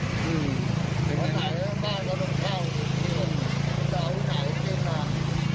ถ้าไหนบ้านเขาต้องเช่าถ้าไหนก็ต้องเอาไหนกิน